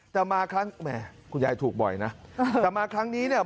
แต่มาครั้งแหมคุณยายถูกบ่อยนะแต่มาครั้งนี้เนี่ย